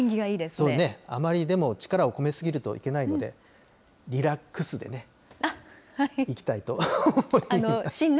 そうですね、あまり力を込めすぎるといけないので、リラックスでね、いきたいと思います。